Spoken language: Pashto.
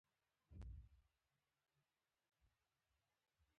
ژړې سرې پیالې دې ستا وي